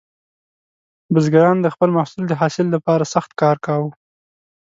بزګران د خپل محصول د حاصل لپاره سخت کار کاوه.